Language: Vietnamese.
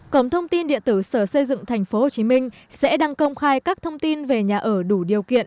cổng thông tin điện tử sở xây dựng tp hcm sẽ đăng công khai các thông tin về nhà ở đủ điều kiện